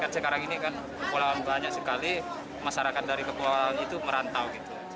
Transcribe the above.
sekarang ini kan kepulauan banyak sekali masyarakat dari kepulauan itu merantau